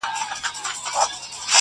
ما وېشلي هر یوه ته اقلیمونه!.